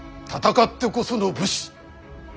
戦ってこその武士。